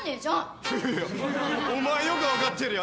いやいやいやお前よか分かってるよ。